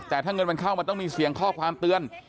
แต่ถ้าเงินมันเข้ามันต้องมีเสียงข้อความเตือน